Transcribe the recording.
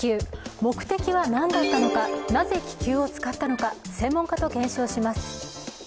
目的は何だったのか、なぜ気球を使ったのか、専門家と検証します。